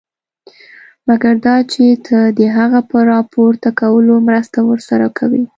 مګر دا چې ته د هغه په راپورته کولو مرسته ورسره کوې.